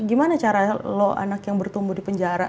gimana cara lo anak yang bertumbuh di penjara